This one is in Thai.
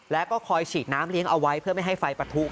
แล้วก็คอยฉีดน้ำเลี้ยงเอาไว้เพื่อไม่ให้ไฟปะทุ